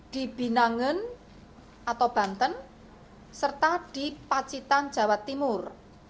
di binangen atau banten serta di pacitan jawa timur